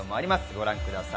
ご覧ください。